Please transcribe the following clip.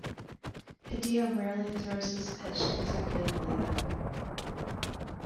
Padilla rarely throws this pitch consecutively, though.